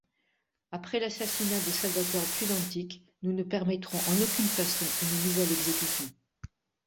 Après l'assassinat de Salvador Puig-Antich, nous ne permettrons en aucune façon une nouvelle exécution.